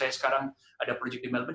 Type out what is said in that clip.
saya sekarang ada project di melbourne